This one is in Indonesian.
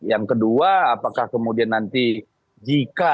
yang kedua apakah kemudian nanti jika